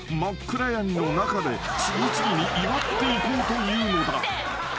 暗闇の中で次々に祝っていこうというのだ］